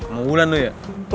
mau bulan lu ya